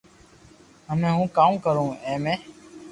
ھمي ھون ڪاوُ ڪرو اي مي